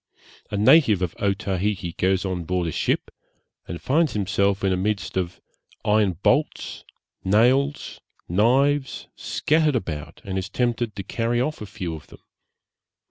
A native of Otaheite goes on board a ship and finds himself in the midst of iron bolts, nails, knives, scattered about, and is tempted to carry off a few of them.